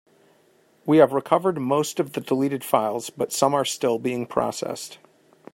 We have recovered most of the deleted files, but some are still being processed.